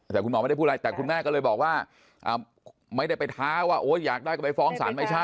แต่คุณหมอไม่ได้พูดอะไรแต่คุณแม่ก็เลยบอกว่าไม่ได้ไปท้าว่าอยากได้ก็ไปฟ้องศาลไม่ใช่